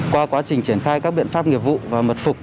qua quá trình triển khai các biện pháp nghiệp vụ và mật phục